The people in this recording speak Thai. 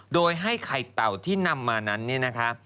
โดยให้ไข่เตาที่นำมานั้น